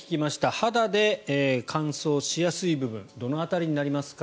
肌で乾燥しやすい部分どの辺りになりますか。